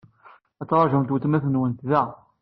Ad teṛjumt weltma-twent da.